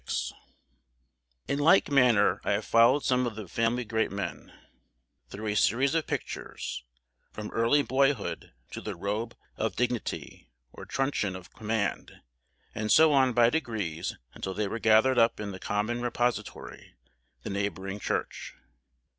[Illustration: Effigy in Marble] In like manner I have followed some of the family great men, through a series of pictures, from early boyhood to the robe of dignity, or truncheon of command, and so on by degrees until they were gathered up in the common repository, the neighbouring church.